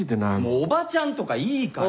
おばちゃんとかいいから！